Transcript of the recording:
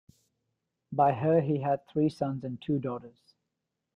By her he had three sons and two daughters.